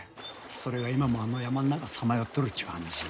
それが今もあの山の中さまよっとるっちゅう話や。